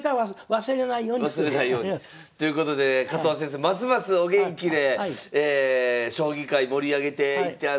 忘れないように。ということで加藤先生ますますお元気で将棋界盛り上げていただきたいと思います。